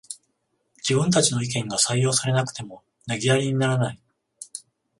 自分たちの意見が採用されなくても投げやりにならない